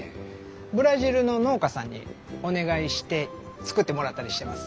ブラジルの農家さんにお願いして作ってもらったりしてます。